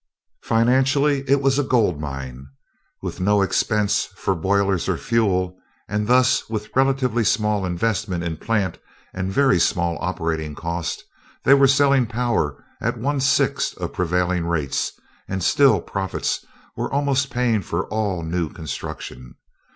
Financially, it was a gold mine. With no expense for boilers or fuel, and thus with a relatively small investment in plant and a very small operating cost, they were selling power at one sixth of prevailing rates, and still profits were almost paying for all new construction.